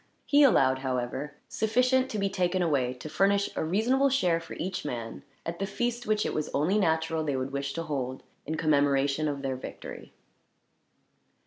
He allowed, however, sufficient to be taken away to furnish a reasonable share for each man, at the feast which it was only natural they would wish to hold, in commemoration of their victory.